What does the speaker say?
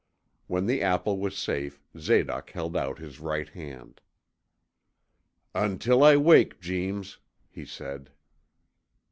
When the apple was safe, Zadoc held out his right hand. 'Until I wake, Jeems!' he said.